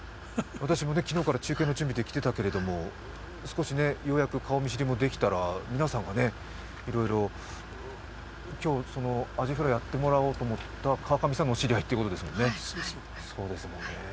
私も中継の準備で昨日から来てたけども、ようやく顔見知りもできたら、皆さんがいろいろ今日、アジフライやってもらおうと思ったカワカミさんがお知り合いってことですもんね。